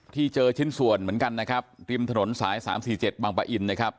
ที่เจอชิ้นส่วนเหมือนกันนะครับริมถนนสายสามสี่เจ็ดบางปะอินนะครับ